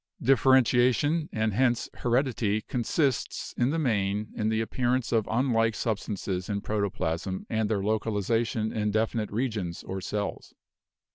"Differentiation, and hence heredity, consists in the main in the appearance of unlike substances in proto plasm and their localization in definite regions or cells.